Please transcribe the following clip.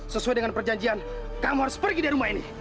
sesuai dengan perjanjian kamu harus pergi dari rumah ini